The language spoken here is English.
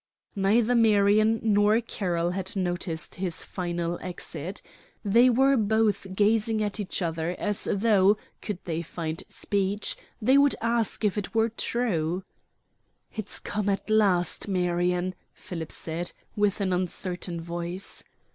Neither Marion nor Carroll had noticed his final exit. They were both gazing at each other as though, could they find speech, they would ask if it were true. "It's come at last, Marion," Philip said, with an uncertain voice.